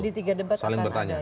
di tiga debat akan ada